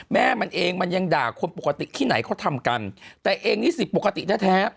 แม่มันเองมันยังด่าคนปกติที่ไหนเขาทำกันแต่เองนิสิตปกติแท้แท้